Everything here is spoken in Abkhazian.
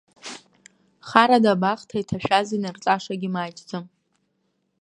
Харада абахҭа иҭашәаз инарҵашагьы маҷӡам!